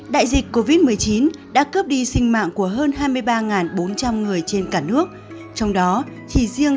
đại dịch covid một mươi chín đã cướp đi sinh mạng của hơn hai mươi ba bốn trăm linh người trên cả nước trong đó chỉ riêng